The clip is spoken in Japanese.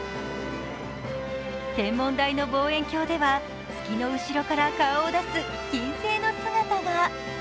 天文台の望遠鏡では月の後ろから顔を出す金星の姿が。